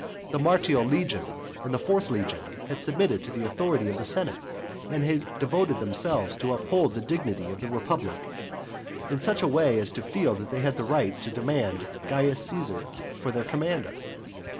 The Martial legion and the fourth legion had submitted to the authority of the senate, and had devoted themselves to uphold the dignity of the republic, in such a way as to feel that they had a right to demand Caius Caesar for their commander.